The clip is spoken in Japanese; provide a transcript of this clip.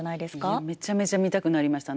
いやめちゃめちゃ見たくなりました。